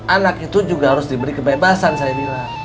anak itu juga harus diberi kebebasan saya bilang